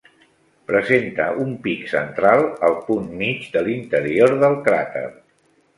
Presenta un pic central al punt mig de l'interior del cràter.